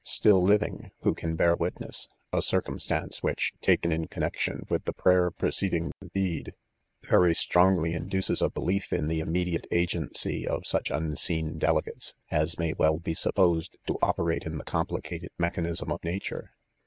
slill living, who can bear witness ; a circumstance which^ (taken in connection with the prayer preceding the deed,) very strongly induces a "belief in the immediate agency of such unseen delegates, as may well be supposed to operate i.a the complicated me chanism of nature.